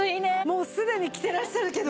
もうすでに着てらっしゃるけど。